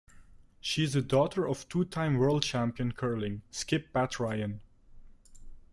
She is the daughter of two-time world champion curling skip Pat Ryan.